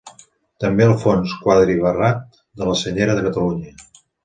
També el fons quadribarrat de la Senyera de Catalunya.